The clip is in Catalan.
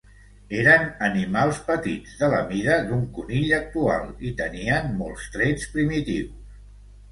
Eren animals petits, de la mida d'un conill actual i tenien molts trets primitius.